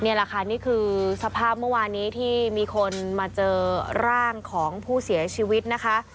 นี่แหละค่ะนี่คือสภาพเมื่อวานี้ที่มีคนมาเจอร่างของผู้เสียชีวิตนะคะ